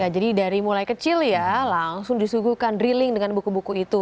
jadi dari mulai kecil ya langsung disuguhkan drilling dengan buku buku itu